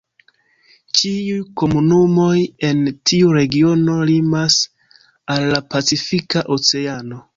Ĉiuj komunumoj en tiu regiono limas al la pacifika oceano.